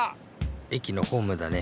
えきのホームだね。